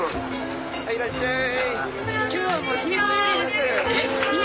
はいいらっしゃい。